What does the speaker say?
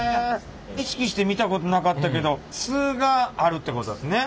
意識して見たことなかったけどすがあるってことですね。